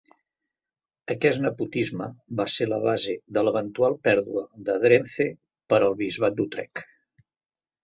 Aquest nepotisme va ser la base de l'eventual pèrdua de Drenthe per al Bisbat d'Utrecht.